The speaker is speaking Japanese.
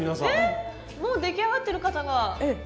えっもう出来上がってる方が。